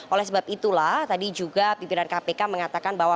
oleh sebab itulah tadi juga pimpinan kpk mengatakan bahwa